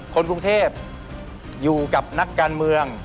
คนกรุงเทพอยู่กับนักการเมือง